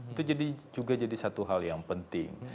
itu juga jadi satu hal yang penting